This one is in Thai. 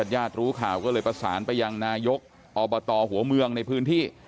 ญาติรู้ข่าวก็เลยประสานไปยังนายกอบตหัวเมืองในพื้นที่